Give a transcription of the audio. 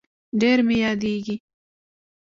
ډير مي ياديږي